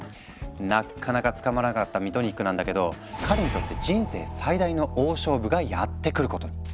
なっかなか捕まらなかったミトニックなんだけど彼にとって人生最大の大勝負がやって来ることに。